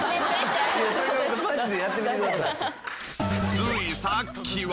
ついさっきは。